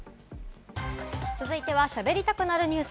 続いては、しゃべりたくなるニュス。